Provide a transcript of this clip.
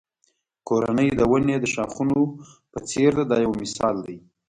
کورنۍ د ونې د ښاخونو په څېر ده دا یو مثال دی.